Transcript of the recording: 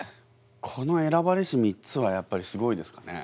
この選ばれし３つはやっぱりすごいですかね。